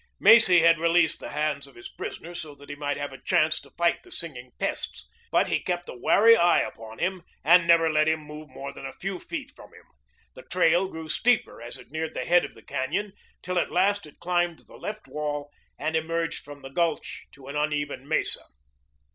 Macy had released the hands of his prisoner so that he might have a chance to fight the singing pests, but he kept a wary eye upon him and never let him move more than a few feet from him. The trail grew steeper as it neared the head of the cañon till at last it climbed the left wall and emerged from the gulch to an uneven mesa.